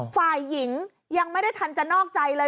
ฝ่ายหญิงยังไม่ได้ทันจะนอกใจเลย